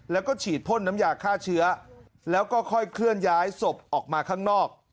แล้วก็ฉีดพ่นน้ำยาฆ่าเชื้อแล้วก็ค่อยเคลื่อนย้ายศพออกมาข้างนอก